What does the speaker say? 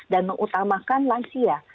dan mengutamakan lansia